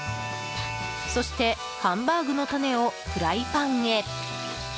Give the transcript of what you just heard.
そして、ハンバーグのタネをフライパンへ。